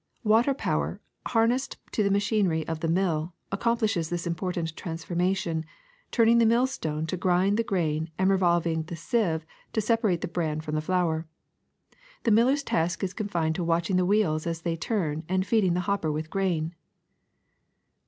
Water power, harnessed to the machinery of the mill, accomplishes this important transformation, turning the millstone to grind the grain and revolv ing the sieve to separate the bran from the flour. The miller's task is confined to watching the wheels as they turn and feeding the hopper with grain.